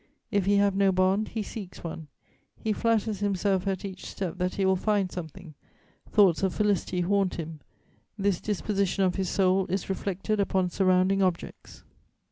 If he have no bond, he seeks one; he flatters himself at each step that he will find something; thoughts of felicity haunt him: this disposition of his soul is reflected upon surrounding objects.